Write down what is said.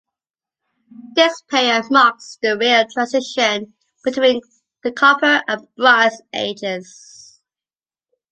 This period marks the real transition between the copper and bronze ages.